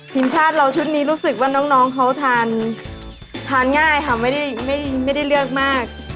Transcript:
ทีมชาติเราชุดนี้รู้สึกว่าน้องเขาทานง่ายค่ะไม่ได้เลือกมาก